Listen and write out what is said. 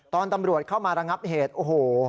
ตำรวจเข้ามาระงับเหตุโอ้โห